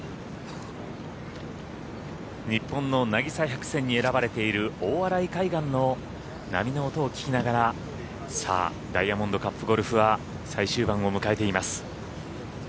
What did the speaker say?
日本の渚百選に選ばれている大洗海岸の波の音を聞きながらダイヤモンドカップゴルフは最終盤を迎えています。